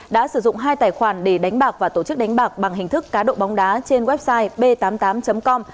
đã sử dụng hai tài khoản để đánh bạc và tổ chức đánh bạc bằng hình thức cá độ bóng đá trên website b tám mươi tám com